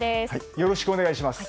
よろしくお願いします。